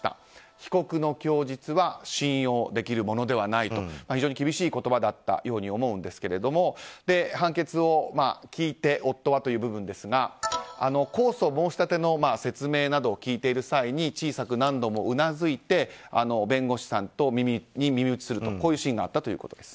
被告の供述は信用できるものではないと非常に厳しい言葉だったように思うんですが判決を聞いて夫はという部分ですが控訴申し立ての説明などを聞いている際に小さく何度もうなずいて弁護士さんに耳打ちするシーンがあったということです。